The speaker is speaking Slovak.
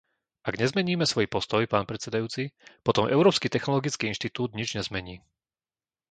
Ak nezmeníme svoj postoj, pán predsedajúci, potom Európsky technologický inštitút nič nezmení.